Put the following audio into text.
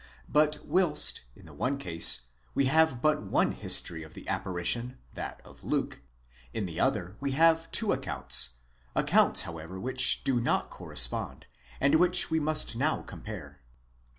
But whilst, in the one case, we have but one history of the apparition, that of Luke; in the other we have two accounts, accounts how ever which do not correspond, and which We must now compare.